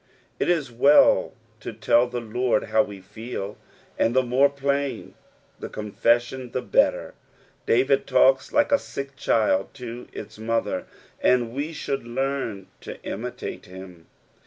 It is well to tell the Lord how we feel, and ttae more plain the coafesBiod the better : David talks like a sick child to its mother, and we should learn to imitate him.